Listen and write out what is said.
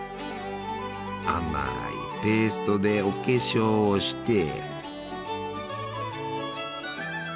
甘いペーストでお化粧をして。